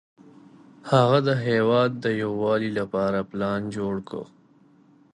هغه د هېواد د یووالي لپاره پلان جوړ کړ.